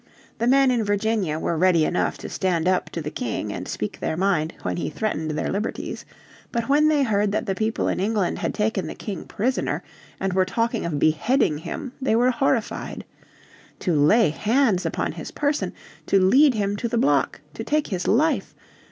The men in Virginia were ready enough to stand up to the King and speak their mind when he threatened their liberties. But when they heard that the people in England had taken the King prisoner and were talking of beheading him they were horrified. To lay bands upon his person, to lead him to the block, to take his life!